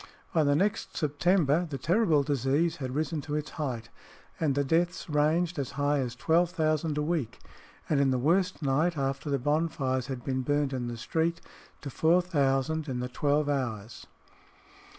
By the next September the terrible disease had risen to its height, and the deaths ranged as high as 12,000 a week, and in the worst night after the bonfires had been burned in the street, to 4000 in the twelve hours.